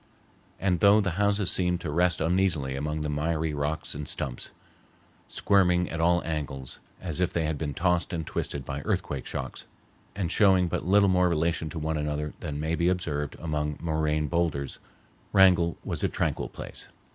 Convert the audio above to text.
And though the houses seemed to rest uneasily among the miry rocks and stumps, squirming at all angles as if they had been tossed and twisted by earthquake shocks, and showing but little more relation to one another than may be observed among moraine boulders, Wrangell was a tranquil place.